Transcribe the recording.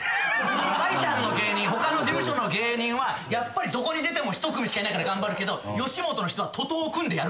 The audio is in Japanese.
ＴＩＴＡＮの芸人他の事務所の芸人はやっぱりどこに出ても１組しかいないから頑張るけど吉本の人は徒党を組んでやるからすぐに。